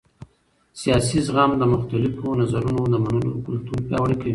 سیاسي زغم د مختلفو نظرونو د منلو کلتور پیاوړی کوي